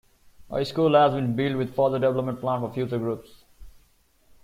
A school has been built with further development planned for future groups.